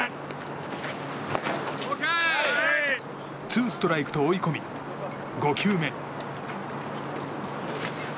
ツーストライクと追い込み５球目。